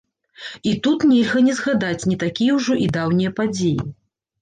І тут нельга не згадаць не такія ўжо і даўнія падзеі.